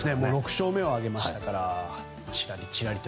６勝目を挙げましたからね。